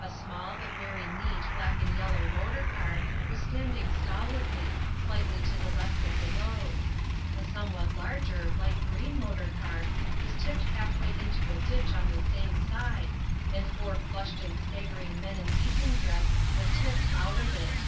A small but very neat black and yellow motor car was standing stolidly, slightly to the left of the road. A somewhat larger light green motor car was tipped half way into a ditch on the same side, and four flushed and staggering men in evening dress were tipped out of it.